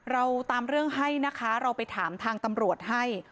เราตามเรื่องให้นะคะเราไปถามทางตำรวจให้